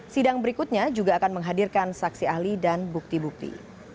sidang berikutnya juga akan menghadirkan saksi ahli dan bukti bukti